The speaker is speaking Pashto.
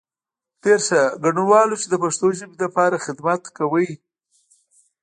ډېر ښه، ګډنوالو چې د پښتو ژبې لپاره خدمت کوئ.